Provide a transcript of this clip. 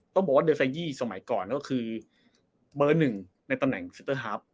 ต้องบอกว่าเมือนก่อนเขาก็คือเบอร์หนึ่งในตรัมแห่งสเตอร์ฮาร์ฟ